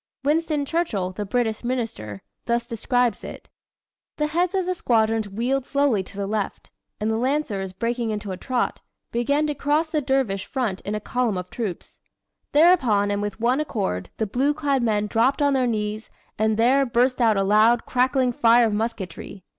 Winston Churchill, the British Minister, thus describes it: "The heads of the squadrons wheeled slowly to the left, and the Lancers, breaking into a trot, began to cross the dervish front in column of troops. Thereupon and with one accord the blue clad men dropped on their knees, and there burst out a loud, crackling fire of musketry.